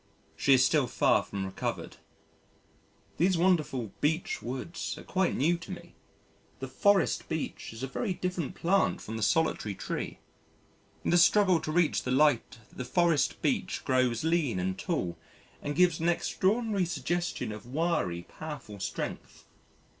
She is still far from recovered. These wonderful Beech Woods are quite new to me. The forest beech is a very different plant from the solitary tree. In the struggle to reach the light the Forest Beech grows lean and tall and gives an extraordinary suggestion of wiry powerful strength.